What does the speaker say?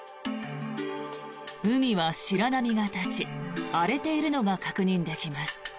海は白波が立ち荒れているのが確認できます。